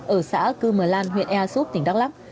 ở xã cư mờ lan huyện ea súp tỉnh đắk lắc